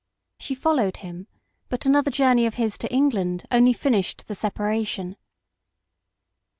She followed him, but another journey of his to England only finished the separation.